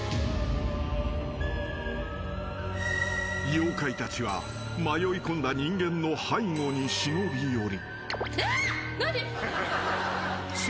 ［妖怪たちは迷いこんだ人間の背後に忍び寄り］